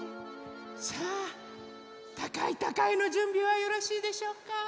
さあ「たかいたかい」のじゅんびはよろしいでしょうか？